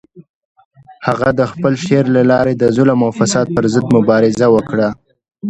هغه د خپل شعر له لارې د ظلم او فساد پر ضد مبارزه وکړه.